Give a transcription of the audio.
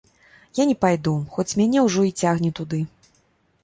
Я не пайду, хоць мяне ўжо і цягне туды.